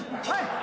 はい。